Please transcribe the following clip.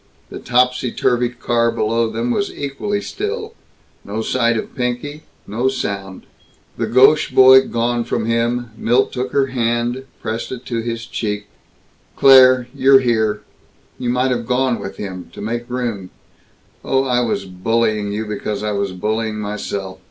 The topsy turvy car below them was equally still; no sight of Pinky, no sound. The gauche boy gone from him, Milt took her hand, pressed it to his cheek. "Claire! You're here! You might have gone with him, to make room Oh, I was bullying you because I was bullying myself!